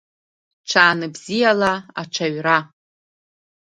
Ҽаанбзиала аҽаҩра!